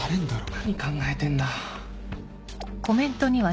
何考えてんだ。